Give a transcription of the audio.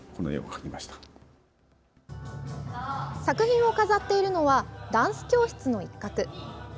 作品を飾っているのはダンス教室の一角。